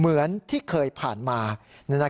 ค้าเป็นผู้ชายชาวเมียนมา